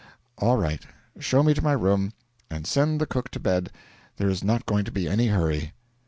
'All right. Show me to my room, and send the cook to bed; there is not going to be any hurry.'